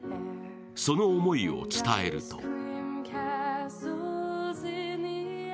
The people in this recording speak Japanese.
その思いを伝えると